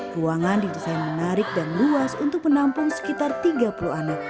ruangan di desain menarik dan luas untuk penampung sekitar tiga puluh anak